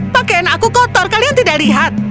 pakaian aku kotor kalian tidak lihat